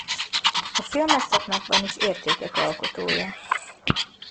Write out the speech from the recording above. A filmes szakmában is értékek alkotója.